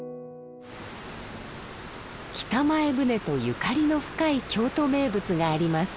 北前船とゆかりの深い京都名物があります。